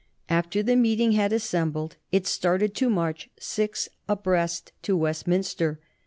After the meeting had assembled it started to march six abreast to Westminster.